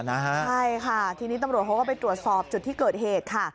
ใช่ค่ะทีนี้ตำรวจเขาก็ไปตรวจสอบจุดที่เกิดเหตุค่ะ